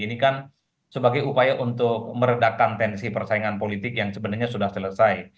ini kan sebagai upaya untuk meredakan tensi persaingan politik yang sebenarnya sudah selesai